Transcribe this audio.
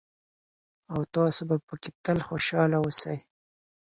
او تاسې به پکې تل خوشحاله اوسئ.